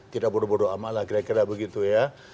tidak bodo bodo amat lah kira kira begitu ya